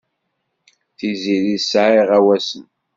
Tiziri tesɛa iɣawasen.